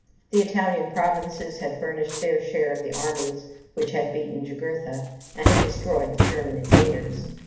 The Italian provinces had furnished their share of the armies which had beaten Jugurtha, and had destroyed the German invaders.